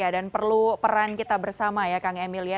ya dan perlu peran kita bersama ya kang emil ya